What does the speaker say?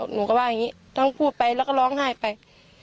หนูก็ว่าอย่างนี้ทั้งพูดไปแล้วก็ร้องไห้ไป